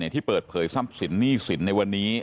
ที่เปิดเผยทรัพย์สินหนี้สินในวันนี้